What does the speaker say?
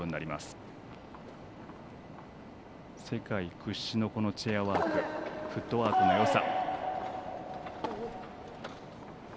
世界屈指のチェアワークフットワークのよさ。